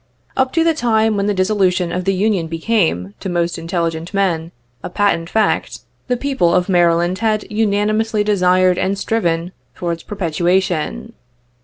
Up to the time when the dissolution of the Union became, to most intelligent men, a patent fact, the people of Maryland had unanimously desired and striven for its perpetuation.